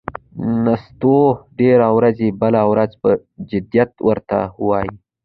نستوه ډېر ورځي، بله ورځ پهٔ جدیت ور ته وايي: